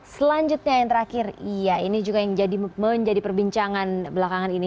selanjutnya yang terakhir iya ini juga yang menjadi perbincangan belakangan ini